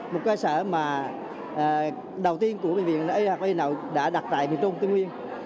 một cơ sở mà đầu tiên của bệnh viện đại học y hà nội đã đặt tại bình trung tuyên nguyên